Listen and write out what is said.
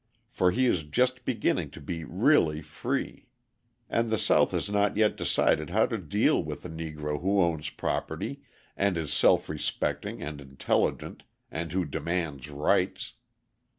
For he is just beginning to be really free. And the South has not yet decided how to deal with a Negro who owns property and is self respecting and intelligent and who demands rights.